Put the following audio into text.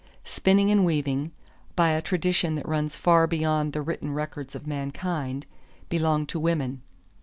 Spinning and weaving, by a tradition that runs far beyond the written records of mankind, belonged to women.